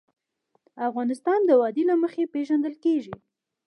افغانستان د وادي له مخې پېژندل کېږي.